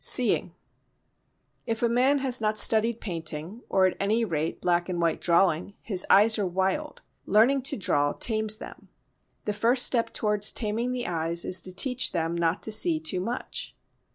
Seeing If a man has not studied painting, or at any rate black and white drawing, his eyes are wild; learning to draw tames them. The first step towards taming the eyes is to teach them not to see too much.